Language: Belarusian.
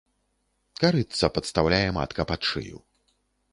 Карытца падстаўляе матка пад шыю.